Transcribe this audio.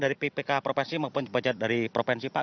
dari ppk provinsi maupun pajak dari provinsi pak